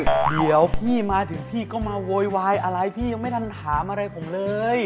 เดี๋ยวพี่มาถึงพี่ก็มาโวยวายอะไรพี่ยังไม่ทันถามอะไรผมเลย